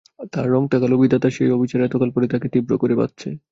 তার রঙটা কালো, বিধাতার সেই অবিচার এতকাল পরে তাকে তীব্র করে বাজছে।